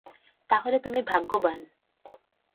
তাহলে তুমি ভাগ্যবান।